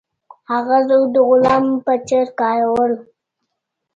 هغه زه د غلام په څیر کارولم.